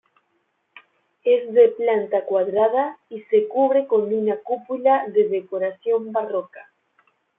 Es de planta cuadrada y se cubre con una cúpula de decoración barroca.